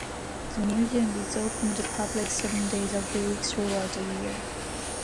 The museum is open to the public seven days a week throughout the year.